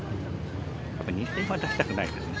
やっぱ２０００円は出したくない。